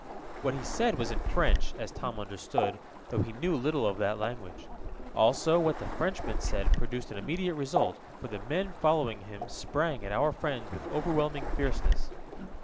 What he said was in French, as Tom understood, though he knew little of that language. Also, what the Frenchman said produced an immediate result, for the men following him sprang at our friends with overwhelming fierceness.